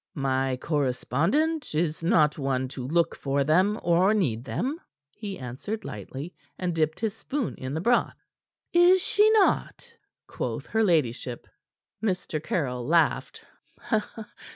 "My correspondent is not one to look for them or need them," he answered lightly, and dipped his spoon in the broth. "Is she not?" quoth her ladyship. Mr. Caryll laughed.